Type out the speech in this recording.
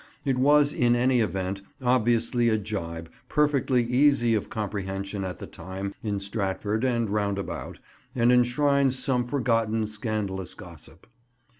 It was in any event obviously a gibe perfectly easy of comprehension at the time in Stratford and round about, and enshrines some forgotten scandalous gossip.